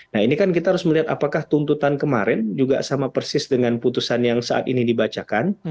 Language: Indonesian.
nah ini kan kita harus melihat apakah tuntutan kemarin juga sama persis dengan putusan yang saat ini dibacakan